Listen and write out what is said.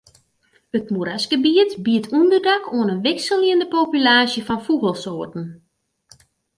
It moerasgebiet biedt ûnderdak oan in wikseljende populaasje fan fûgelsoarten.